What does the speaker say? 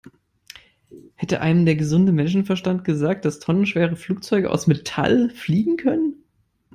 Hätte einem der gesunde Menschenverstand gesagt, dass tonnenschwere Flugzeuge aus Metall fliegen können?